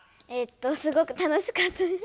すごく楽しかったです。